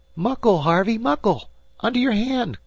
"Muckle, Harvey, muckle! Under your hand!